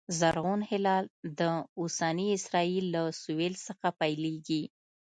زرغون هلال د اوسني اسرایل له سوېل څخه پیلېږي